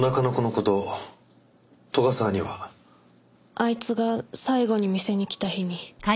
あいつが最後に店に来た日に。